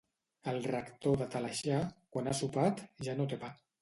El rector de Talaixà, quan ha sopat, ja no té pa.